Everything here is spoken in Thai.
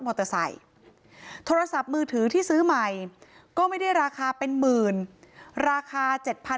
โทรศัพท์มือถือที่ซื้อใหม่ก็ไม่ได้ราคาเป็นหมื่นราคา๗๐๐